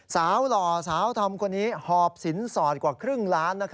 หล่อสาวธรรมคนนี้หอบสินสอดกว่าครึ่งล้าน